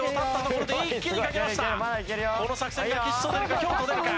この作戦が吉と出るか？